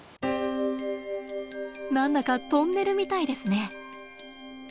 何だかトンネルみたいですね。